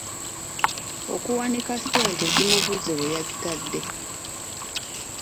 Okuwanika ssente zimubuze we yazitadde.